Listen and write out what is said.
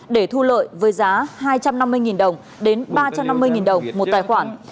để thu lợi với giá hai trăm năm mươi đồng đến ba trăm năm mươi đồng một tài khoản